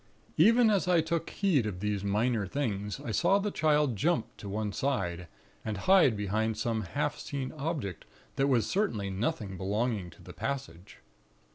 "Even as I took heed of these minor things, I saw the Child jump to one side, and hide behind some half seen object that was certainly nothing belonging to the passage.